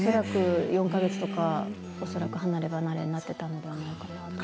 ４か月とか恐らく離れ離れになっていたと思います。